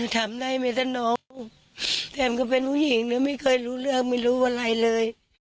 ทำได้ไหมถ้าน้องแอมก็เป็นผู้หญิงนะไม่เคยรู้เรื่องไม่รู้อะไรเลย